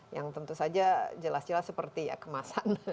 yang tentu saja jelas jelas seperti ya kemasan